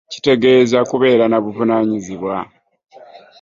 Kitegeeza kubeera na buvunaanyizibwa.